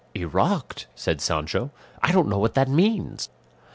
"Eruct!" said Sancho; "I don't know what that means."